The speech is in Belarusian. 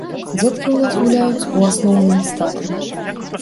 Дзеткі ў нас гуляюць, у асноўным, з татамі.